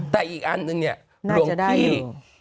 แต่อีกอันนึงเนี่ยหลวงพี่น่าจะได้อยู่